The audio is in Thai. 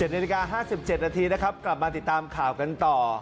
นาฬิกา๕๗นาทีนะครับกลับมาติดตามข่าวกันต่อ